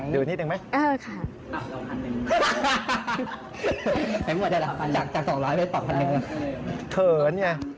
ดูนิดหนึ่งไม๊